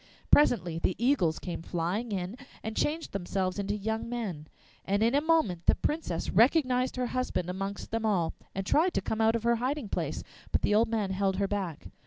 Presently the eagles came flying in, and changed themselves into young men, and in a moment the Princess recognised her husband amongst them all, and tried to come out of her hiding place; but the old man held her back.